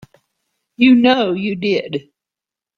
You know you did.